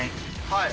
はい。